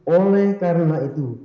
oleh karena itu